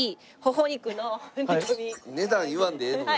値段言わんでええのに。